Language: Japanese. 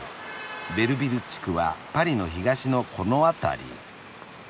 ベルヴィル地区はパリの東のこの辺り。